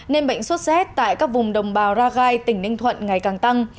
nên bệnh xuất xét tại các vùng đồng bào ragai tỉnh ninh thuận ngày càng tăng